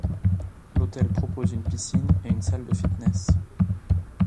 L'hôtel propose une piscine et une salle de fitness.